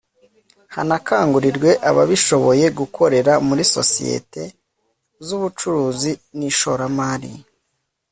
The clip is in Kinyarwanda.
hanakangurirwe ababishoboye gukorera muri sosiyete z'ubucuruzi n'ishoramari